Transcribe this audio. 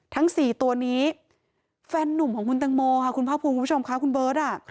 ทั้ง๔ตัวนี้แฟนนุ่มของคุณตังโมค่ะคุณภาคภูมิคุณผู้ชมค่ะคุณเบิร์ต